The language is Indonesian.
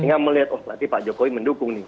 yang melihat oh nanti pak jokowi mendukung nih